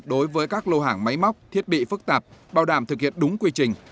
đối với các lô hàng máy móc thiết bị phức tạp bảo đảm thực hiện đúng quy trình